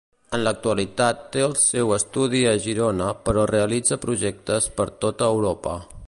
En l'actualitat té el seu estudi a Girona però realitza projectes per tota Europa.